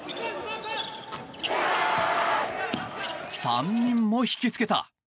３人も引き付けた！